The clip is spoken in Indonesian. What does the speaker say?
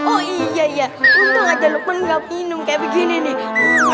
oh iya untung aja lukman gak minum kayak begini nih